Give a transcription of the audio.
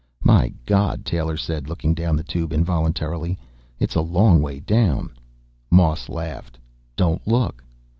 "My God!" Taylor said, looking down the Tube involuntarily. "It's a long way down." Moss laughed. "Don't look."